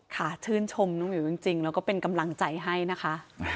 ชื่นชมน้องหิวจริงแล้วก็เป็นกำลังใจให้นะคะ